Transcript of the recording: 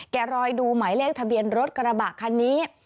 รอยดูหมายเลขทะเบียนรถกระบะคันนี้